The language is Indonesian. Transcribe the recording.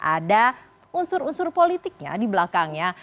ada unsur unsur politiknya di belakangnya